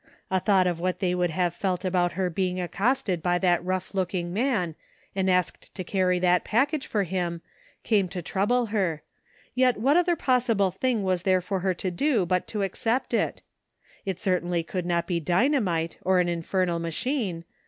A thought of what they would have felt about her being accosted by that rough man and asked to carry that package for him came to trouble her, yet 26 THE FINDING OF JASPER HOLT what other possible thing was there for her to do but to accept it ? It certainly could not be dynamite or an infernal machine.